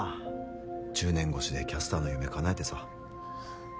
１０年越しでキャスターの夢叶えてさ。